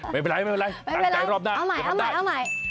ไม่เป็นไรตามใจรอบหน้าเอาใหม่